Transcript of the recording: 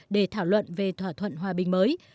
để thảo luận về thỏa thuận hòa bình mới